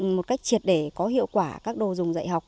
một cách triệt để có hiệu quả các đồ dùng dạy học